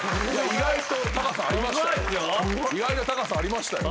意外と高さありましたよ。